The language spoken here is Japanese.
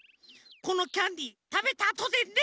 このキャンディーたべたあとでね！